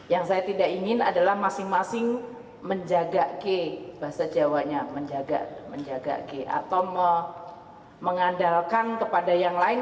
yang saya tidak ingin adalah masing masing menjaga ke bahasa jawa nya menjaga ke atau mengandalkan kepada yang lain